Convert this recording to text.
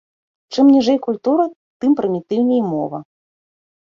Чым ніжэй культура, тым прымітыўней і мова.